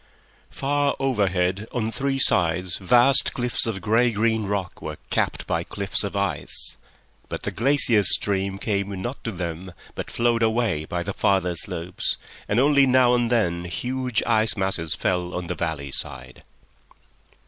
Far overhead, on three sides, vast cliffs of grey green rock were capped by cliffs of ice; but the glacier stream came not to them, but flowed away by the farther slopes, and only now and then huge ice masses fell on the valley side.